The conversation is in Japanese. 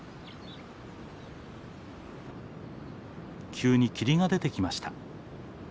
急に霧が出てきました。